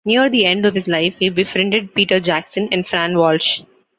Near the end of his life he befriended Peter Jackson and Fran Walsh.